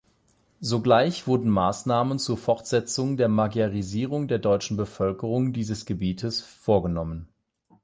Sogleich wurden Maßnahmen zur Fortsetzung der Magyarisierung der deutschen Bevölkerung dieses Gebietes vorgenommen.